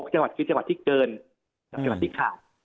จังหวัดคือจังหวัดที่เกินกับจังหวัดที่ขาด